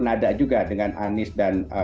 ada juga dengan anis dan